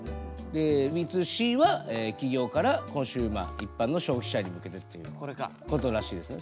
Ｂ２Ｃは企業からコンシューマー一般の消費者に向けてっていうことらしいですね。